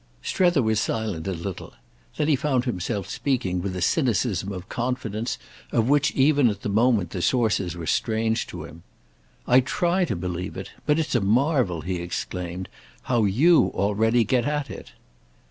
Strether was silent a little; then he found himself speaking with a cynicism of confidence of which even at the moment the sources were strange to him. "I try to believe it. But it's a marvel," he exclaimed, "how you already get at it!"